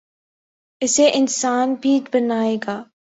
، اسے انسان بھی بنائے گا۔